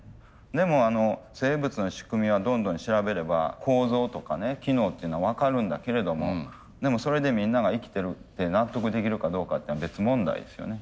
でも生物の仕組みはどんどん調べれば構造とかね機能っていうのは分かるんだけれどもでもそれでみんなが生きてるって納得できるかどうかっていうのは別問題ですよね。